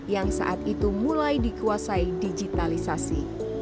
yang saat itu mulai dikuasai digitalisasi